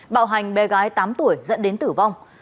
bạo hành bé gái tám tuổi dẫn đến tử vong